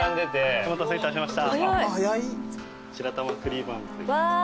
お待たせしました。